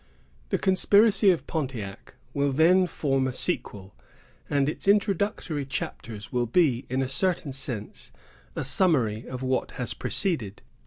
"The Conspiracy of Pontiac" will then form a sequel; and its introductory chapters will be, in a certain sense, a summary of what has preceded.